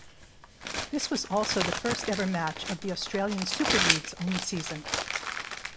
This was also the first ever match of the Australian Super League's only season.